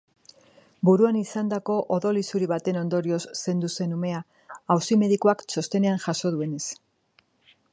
Buruan izandako odol-isuri baten ondorioz zendu zen umea, auzi-medikuak txostenean jaso duenez.